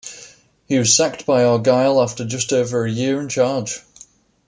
He was sacked by Argyle after just over a year in charge.